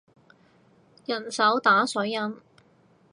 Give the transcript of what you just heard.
人手打水印